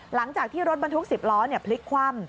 หลังจากที่รถบรรทุก๑๐ล้อพลิกคว่ำ